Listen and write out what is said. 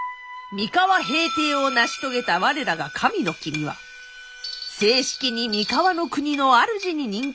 三河平定を成し遂げた我らが神の君は正式に三河国の主に任官されることに。